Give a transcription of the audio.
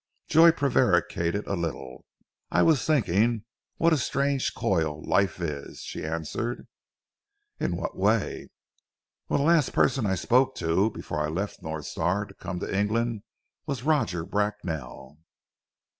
Joy prevaricated a little. "I was thinking what a strange coil life is!" she answered. "In what way?" "Well, the last person I spoke to, before I left North Star to come to England, was Roger Bracknell!"